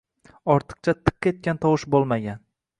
Ortiqcha tiq etgan tovush bo‘lmagan.